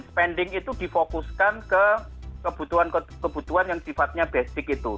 spending itu difokuskan ke kebutuhan kebutuhan yang sifatnya basic itu